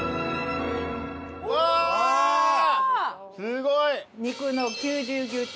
すごい！